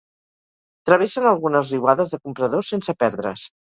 Travessen algunes riuades de compradors sense perdre's.